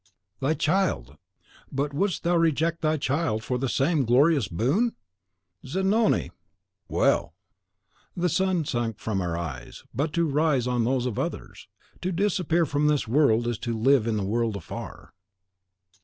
"Thy child! But wouldst thou reject for thy child the same glorious boon?" "Zanoni!" "Well!" "The sun has sunk from our eyes, but to rise on those of others. To disappear from this world is to live in the world afar.